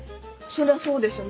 そりゃそうでしょ。